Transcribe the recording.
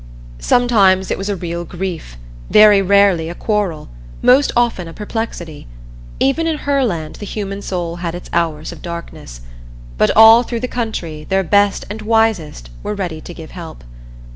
Sometimes it was a real grief, very rarely a quarrel, most often a perplexity; even in Herland the human soul had its hours of darkness. But all through the country their best and wisest were ready to give help.